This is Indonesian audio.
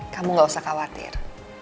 kamu nggak usah khawatir